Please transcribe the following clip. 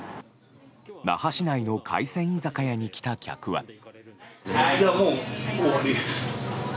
那覇市内の海鮮居酒屋に来た客は。